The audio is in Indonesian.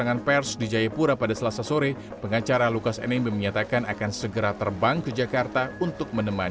ini kondisinya belum bisa kita lakukan pemeriksaan kita tunggu bagaimana kondisi setelah perawatan oleh rspad